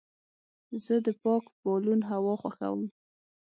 زه د پاک بالون هوا خوښوم.